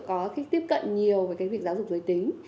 có cái tiếp cận nhiều với cái việc giáo dục giới tính